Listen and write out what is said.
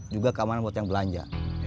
juga keamanan buat yang belanja